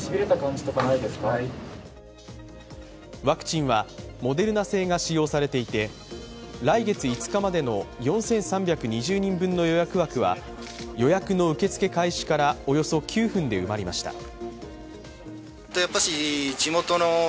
ワクチンはモデルナ製が使用されていて、来月５日までの４３２０人分の予約枠は予約の受け付け開始からおよそ９分で埋まりました。